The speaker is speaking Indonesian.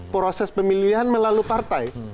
proses pemilihan melalui partai